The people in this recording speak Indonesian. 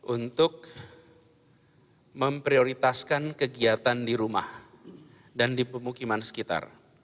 untuk memprioritaskan kegiatan di rumah dan di pemukiman sekitar